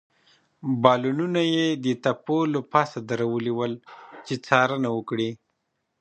بالونونه يې د تپو له پاسه درولي ول، چې څارنه وکړي.